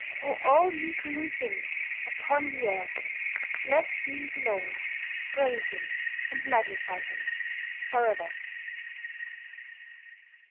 O All ye Green Things upon the Earth, Bless ye the Lord; Praise Him, and Magnify Him for ever."